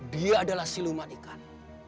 dia adalah siluman ikan